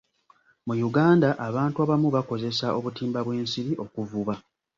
Mu Uganda, abantu abamu bakozesa obutimba bw'ensiri okuvuba.